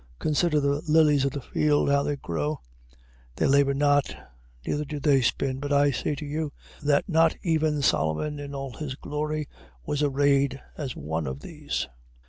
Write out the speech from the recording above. Consider the lilies of the field, how they grow: they labour not, neither do they spin. 6:29. But I say to you, that not even Solomon in all his glory was arrayed as one of these.